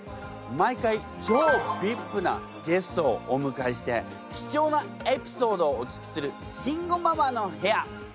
毎回超ビッグなゲストをおむかえして貴重なエピソードをお聞きする「慎吾ママの部屋」。